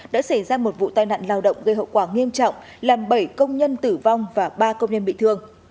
đã xảy ra một vụ tai nạn lao động gây hậu quả nghiêm trọng làm bảy công nhân tử vong và ba công nhân bị thương